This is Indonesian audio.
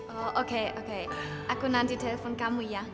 oh oke oke aku nanti telepon kamu ya